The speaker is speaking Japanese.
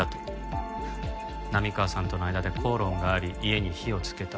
波川さんとの間で口論があり家に火をつけた。